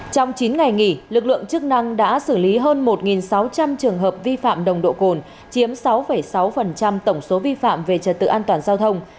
trong chín ngày nghỉ lực lượng chức năng đã xử lý hơn một sáu trăm linh trường hợp vi phạm nồng độ cồn chiếm sáu sáu tổng số vi phạm về trật tự an toàn giao thông